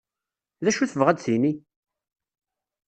Dacu tebɣa ad tini?